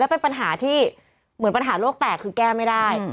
เป็นปัญหาที่เหมือนปัญหาโลกแตกคือแก้ไม่ได้